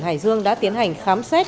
hải dương đã tiến hành khám xét